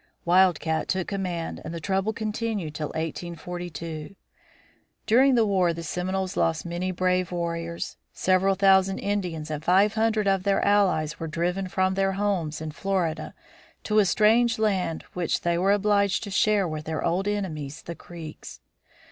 Wild Cat took command and the trouble continued till 1842. During the war the Seminoles lost many brave warriors; several thousand Indians and five hundred of their allies were driven from their homes in Florida to a strange land which they were obliged to share with their old enemies, the Creeks.